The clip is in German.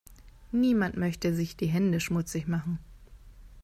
Niemand möchte sich die Hände schmutzig machen.